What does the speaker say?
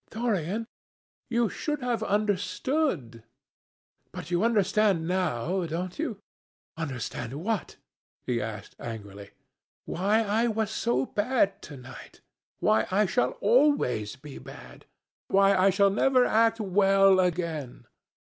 "Dorian, you should have understood. But you understand now, don't you?" "Understand what?" he asked, angrily. "Why I was so bad to night. Why I shall always be bad. Why I shall never act well again."